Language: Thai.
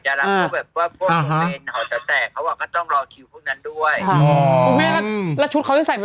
ตรงนี้หอเต๋าแตกต้องรอคิวพวกนั้นด้วย